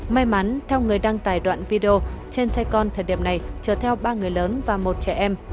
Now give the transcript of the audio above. may mắn theo người đăng tải đoạn video trên xe con thời điểm này chở theo ba người lớn và một trẻ em